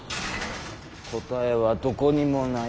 「答え」はどこにもない。